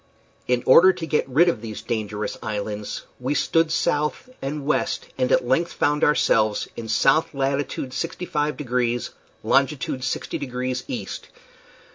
In order to get rid of these dangerous islands we stood south and west, and at length found ourselves in south latitude 65 degrees, longitude 60 degrees east.